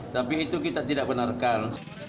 tapi itu kita tidak benarkan